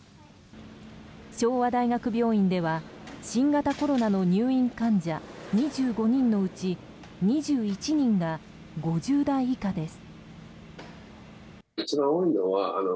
昭和大学病院では新型コロナの入院患者２５人のうち２１人が５０代以下です。